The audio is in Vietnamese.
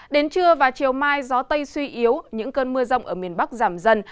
đến trưa và chiều mai gió tây suy yếu những cơn mưa rông ở miền bắc giảm dần